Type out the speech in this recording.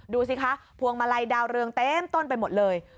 ดูสิคะพวงมาลัยดาวเรืองเต็มต้นไปหมดเลย